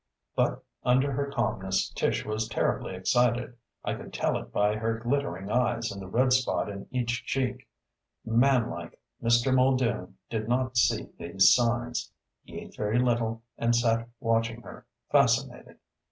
But under her calmness Tish was terribly excited. I could tell it by her glittering eyes and the red spot in each cheek. Manlike, Mr. Muldoon did not see these signs; he ate very little and sat watching her, fascinated.